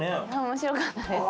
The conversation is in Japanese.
面白かったです。